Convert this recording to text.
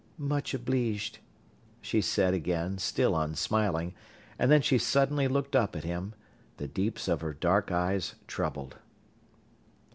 "Much obleeged," she said again, still unsmiling, and then she suddenly looked up at him the deeps of her dark eyes troubled.